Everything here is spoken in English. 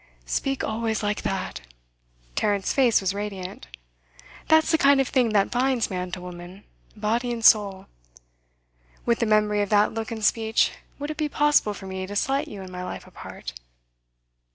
'Speak always like that!' Tarrant's face was radiant. 'That's the kind of thing that binds man to woman, body and soul. With the memory of that look and speech, would it be possible for me to slight you in my life apart?